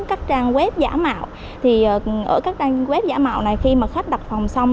các trang web giả mạo thì ở các trang web giả mạo này khi mà khách đặt phòng xong